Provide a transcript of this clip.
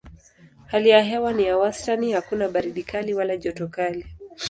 Hali ya hewa ni ya wastani hakuna baridi kali wala joto kali.